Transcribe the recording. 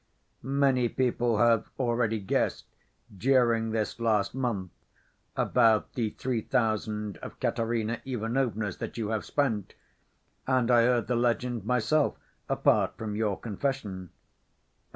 '... Many people have already guessed, during this last month, about the three thousand of Katerina Ivanovna's, that you have spent, and I heard the legend myself, apart from your confession....